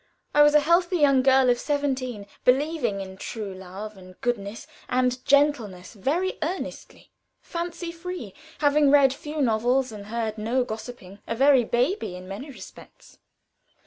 I was a healthy young girl of seventeen, believing in true love, and goodness, and gentleness very earnestly; "fancy free," having read few novels, and heard no gossip a very baby in many respects.